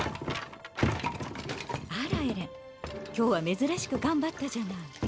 あらエレン今日は珍しく頑張ったじゃない。